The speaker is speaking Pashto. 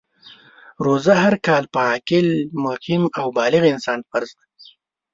روژه هر کال په عاقل ، مقیم او بالغ انسان فرض ده .